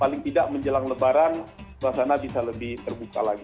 paling tidak menjelang lebaran suasana bisa lebih terbuka lagi